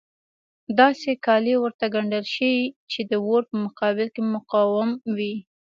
داسې کالي ورته ګنډل شي چې د اور په مقابل کې مقاوم وي.